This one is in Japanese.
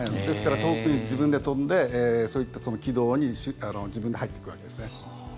ですから、遠くに自分で飛んでそういった軌道に自分で入っていくわけですね。